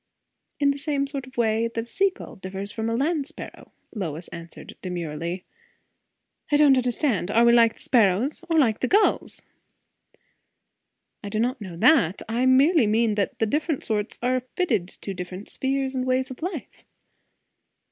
"In the same sort of way that a sea gull differs from a land sparrow," Lois answered demurely. "I don't understand. Are we like the sparrows, or like the gulls?" "I do not know that. I mean merely that the different sorts are fitted to different spheres and ways of life."